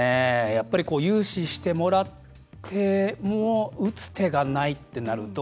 やっぱり融資してもらっても打つ手がないとなると。